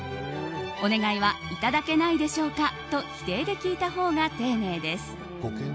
お願いは「いただけないでしょうか」と否定で聞いたほうがていねいです。